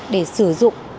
để sử dụng